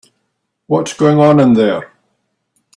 What's going on in there?